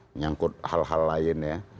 menyangkut hal hal lain ya